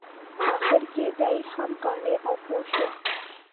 په اخره کې دی هم قانع او پوه شو.